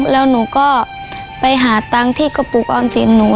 แล้วหนูก็ไปหาตังค์ที่กระปุกออมสินหนู